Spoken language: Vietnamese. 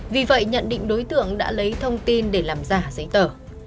vì vậy nhận định đối tượng đã lấy thông tin để làm giả giấy tờ